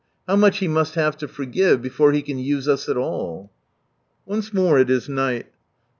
How much He must have to forgive, before He can use us Once more it is night, still and dark.